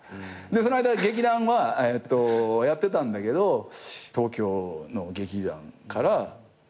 その間劇団はやってたんだけど東京の劇団から「やりませんか？」と。